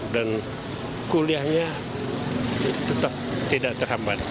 dan kuliahnya tetap tidak terhambat